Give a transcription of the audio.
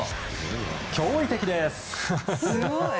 驚異的です。